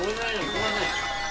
すいません。